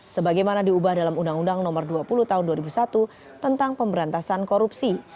sebagaimana diubah dalam undang undang nomor dua puluh tahun dua ribu satu tentang pemberantasan korupsi